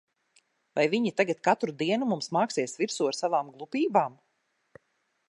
Vai viņi tagad katru dienu mums māksies virsū ar savām glupībām?